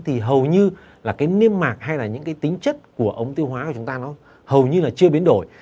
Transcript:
thì hầu như là cái niêm mạc hay là những cái tính chất của ống tiêu hóa của chúng ta nó hầu như là chưa biến đổi